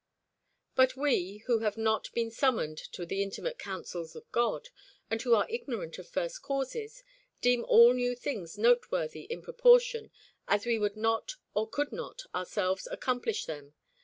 (4) But we, who have not been summoned to the intimate counsels of God, and who are ignorant of first causes, deem all new things noteworthy in proportion as we would not or could not ourselves accomplish them.